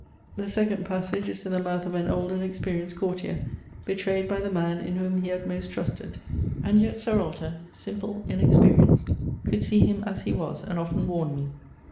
The second passage is in the mouth of an old and experienced courtier, betrayed by the man in whom he had most trusted. "And yet Sarolta, simple, inexperienced, Could see him as he was, and often warned me.